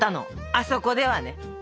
あそこでは？